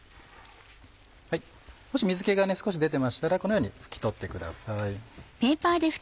もし水気が少し出てましたらこのように拭き取ってください。